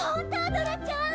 ドラちゃん。